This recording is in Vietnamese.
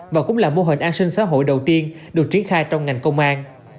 và cũng là mô hình an sinh xã hội đầu tiên được triển khai trong ngành công an